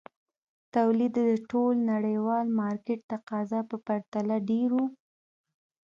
تولید یې د ټول نړیوال مارکېټ تقاضا په پرتله ډېر وو.